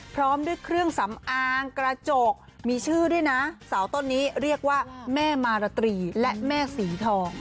พร้อมด้วยเครื่องสำอางกระจกมีชื่อด้วยนะเสาต้นนี้เรียกว่าแม่มาราตรีและแม่สีทอง